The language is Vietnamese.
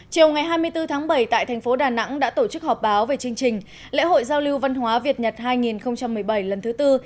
chiều ngày hai mươi bốn tháng bảy tại thành phố đà nẵng đã tổ chức họp báo về chương trình lễ hội giao lưu văn hóa việt nhật hai nghìn một mươi bảy lần thứ tư